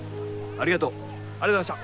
ありがとう。